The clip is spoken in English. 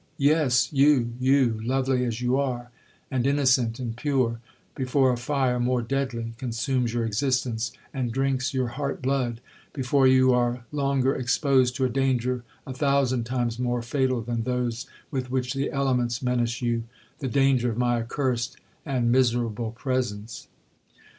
—'Yes—you—you—lovely as you are, and innocent, and pure, before a fire more deadly consumes your existence, and drinks your heart blood—before you are longer exposed to a danger a thousand times more fatal than those with which the elements menace you—the danger of my accursed and miserable presence!'